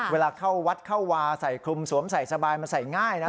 เวลาเข้าวัดเข้าวาใส่คลุมสวมใส่สบายมันใส่ง่ายนะ